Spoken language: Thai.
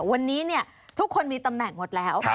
วันนี้ทุกคนมีตำแหน่งหมดแล้ว